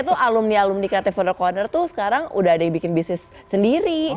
itu alumni alumni kreatif order corner tuh sekarang udah ada yang bikin bisnis sendiri